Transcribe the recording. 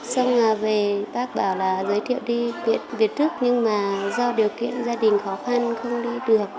xong là về bác bảo là giới thiệu đi việt đức nhưng mà do điều kiện gia đình khó khăn không đi được